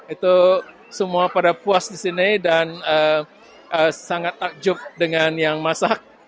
itu semua pada puas di sini dan sangat takjub dengan yang masak